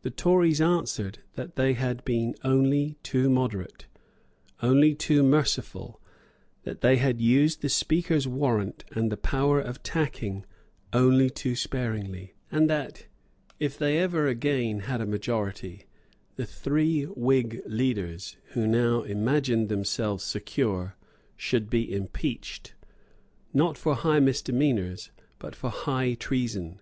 The Tories answered that they had been only too moderate, only too merciful; that they had used the Speaker's warrant and the power of tacking only too sparingly; and that, if they ever again had a majority, the three Whig leaders who now imagined themselves secure should be impeached, not for high misdemeanours, but for high treason.